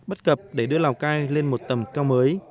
bất cập để đưa lào cai lên một tầm cao mới